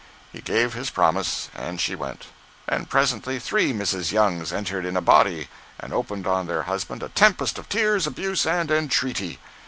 He gave his promise, and she went. And presently three Mrs. Youngs entered in a body and opened on their husband a tempest of tears, abuse, and entreaty.